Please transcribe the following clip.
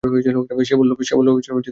সে বলল, হায়!